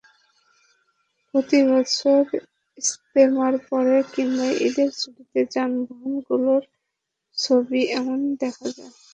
প্রতি বছর ইজতেমার পড়ে কিংবা ঈদের ছুটিতে যানবাহনগুলোর ছবি এমনই দেখা যায়।